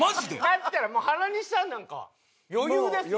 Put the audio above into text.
だったらもう原西さんなんか余裕ですよね